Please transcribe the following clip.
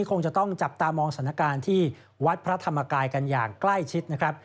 คงจะต้องจับตามองสถานการณ์ที่วัดพระธรรมกายกันอย่างใกล้ชิดนะครับ